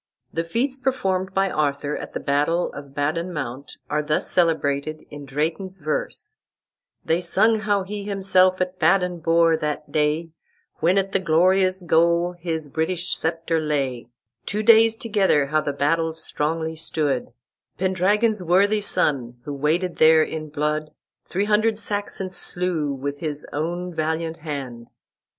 The feats performed by Arthur at the battle of Badon Mount are thus celebrated in Drayton's verse: "They sung how he himself at Badon bore, that day, When at the glorious goal his British sceptre lay; Two daies together how the battel stronglie stood; Pendragon's worthie son, who waded there in blood, Three hundred Saxons slew with his owne valiant hand."